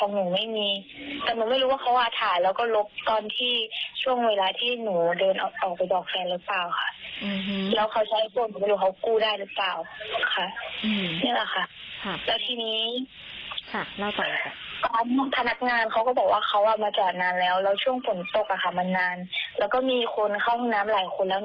หนูไม่รู้ว่าเขาหาคนอื่นหรือเปล่าอะไรต่อมาเนี่ยค่ะ